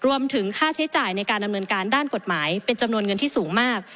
รวมถึงค่าใช้จ่ายในการดำเนินการด้านกฎหมายเป็นจำนวนเงินที่สูงมาก